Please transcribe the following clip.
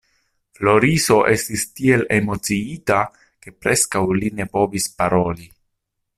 Floriso estis tiel emociita, ke preskaŭ li ne povis paroli.